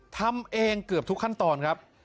ทำเองเกือบทุกขั้นตอนครับ